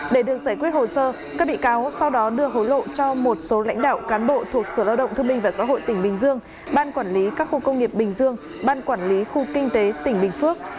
để được giải quyết hồ sơ các bị cáo sau đó đưa hối lộ cho một số lãnh đạo cán bộ thuộc sở lao động thương minh và xã hội tỉnh bình dương ban quản lý các khu công nghiệp bình dương ban quản lý khu kinh tế tỉnh bình phước